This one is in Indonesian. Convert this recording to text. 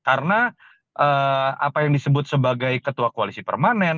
karena apa yang disebut sebagai ketua koalisi permanen